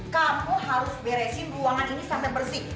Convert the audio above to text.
kamu harus beresin ruangan ini sampai bersih